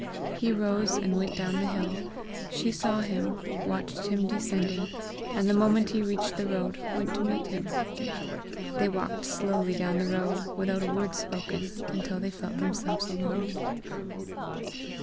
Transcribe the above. He rose and went down the hill. She saw him, watched him descending, and the moment he reached the road, went to meet him. They walked slowly down the road, without a word spoken, until they felt themselves alone.